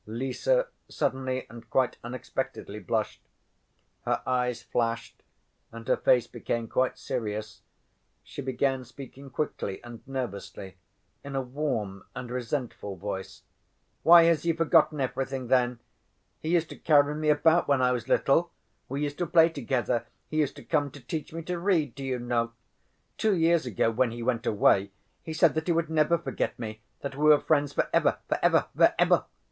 Lise suddenly and quite unexpectedly blushed. Her eyes flashed and her face became quite serious. She began speaking quickly and nervously in a warm and resentful voice: "Why has he forgotten everything, then? He used to carry me about when I was little. We used to play together. He used to come to teach me to read, do you know. Two years ago, when he went away, he said that he would never forget me, that we were friends for ever, for ever, for ever!